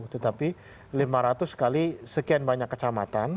tetapi lima ratus kali sekian banyak kecamatan